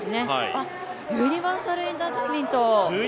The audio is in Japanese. あっ、ユニバーサルエンターテインメント！